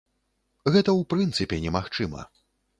Гэта ў прынцыпе немагчыма.